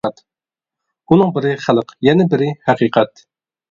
ئۇنىڭ بىرى خەلق، يەنە بىرى ھەقىقەت.